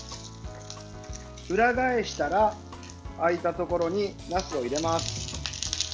裏返したら、空いたところになすを入れます。